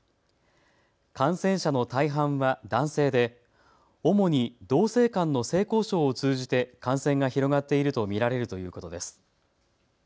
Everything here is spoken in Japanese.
感染者の大半は男性で主に同性間の性交渉を通じて感染が広がっていると見られるということです。